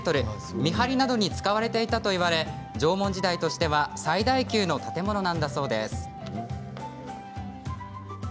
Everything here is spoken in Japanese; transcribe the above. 見張りなどに使われていたといわれ縄文時代としては最大級の建物なんだそうです。